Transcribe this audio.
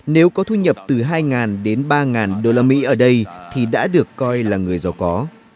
nếu có thu nhập từ hai đến ba đô la mỹ ở đây thì đã được coi là người giàu có